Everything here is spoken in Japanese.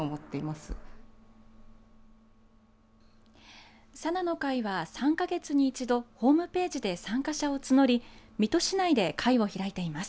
Ｓａｎａの会は３か月に一度ホームページで参加者を募り水戸市内で会を開いています。